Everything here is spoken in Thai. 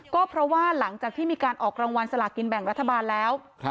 ก็เพราะว่าหลังจากที่มีการออกรางวัลสลากินแบ่งรัฐบาลแล้ว